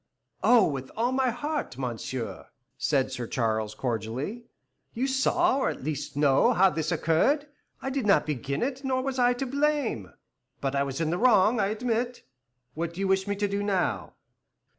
"Oh, with all my heart, monsieur," said Sir Charles, cordially. "You saw, or at least know, how this has occurred. I did not begin it, nor was I the most to blame. But I was in the wrong, I admit. What do you wish me to do now?"